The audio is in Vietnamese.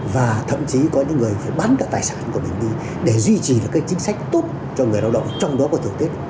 và thậm chí có những người phải bán được tài sản của mình đi để duy trì được cái chính sách tốt cho người lao động trong đó có thưởng tết